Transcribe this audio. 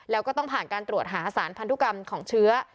แล้วก็ต้องผ่านการตรวจหาสารพันธุกรรมของเชื้อ